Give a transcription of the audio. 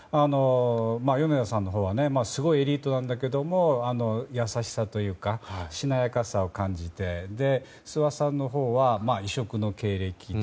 米田さんのほうはすごいエリートなんだけども優しさというかしなやかさを感じて諏訪さんのほうは異色の経歴で。